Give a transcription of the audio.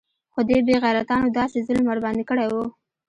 خو دې بې غيرتانو داسې ظلم ورباندې کړى و.